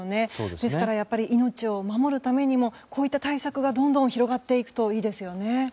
ですからやっぱり命を守るためにもこういった対策がどんどん広がっていくといいですよね。